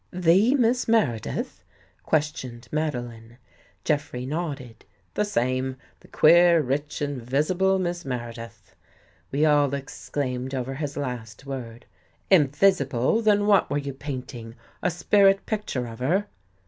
The Miss Meredith? " questioned Madeline. Jeffrey nodded. " The same. The queer, rich, invisible Miss Meredith." We all exclaimed over his last word. " Invisible I 8 WHAT THEY FOUND IN THE ICE Then what were you painting? A spirit picture of her?"